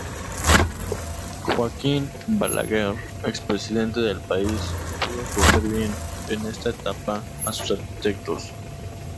Joaquín Balaguer, expresidente del país, pudo escoger bien, en esta etapa, a sus arquitectos.